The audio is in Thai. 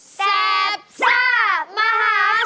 แสบซ่ามหาสมบูรณ์